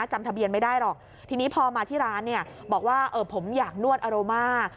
จำทะเบียนไม่ได้หรอกทีนี้พอมาที่ร้านเนี่ยบอกว่าผมอยากนวดอารม่า